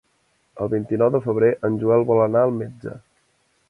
El vint-i-nou de febrer en Joel vol anar al metge.